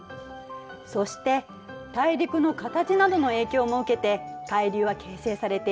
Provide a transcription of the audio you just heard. そして大陸の形などの影響も受けて海流は形成されている。